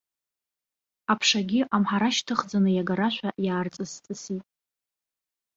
Аԥшагьы, амҳара шьҭыхӡан иагарашәа, иаарҵысҵысит.